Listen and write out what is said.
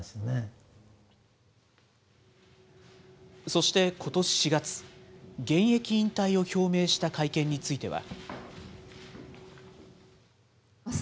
そしてことし４月、現役引退を表明した会見については。